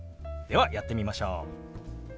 ではやってみましょう！